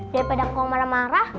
daripada kong marah marah